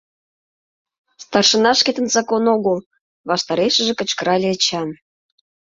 — Старшина шкетын закон огыл! — ваштарешыже кычкырале Эчан.